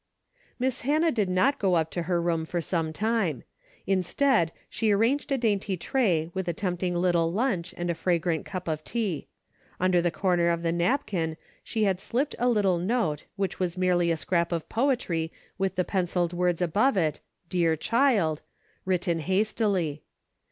Miss Hannah did not go up to her room for some time. Instead, she arranged a dainty tray with a tempting little lunch and a fragrant cup of tea. Under the corner of the napkin 324 A DAILY bate:'' she had slipped a little note which was merely a scrap of poetry with the penciled words above it, " Dear child ;" written hastily.